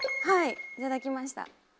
はい頂きました。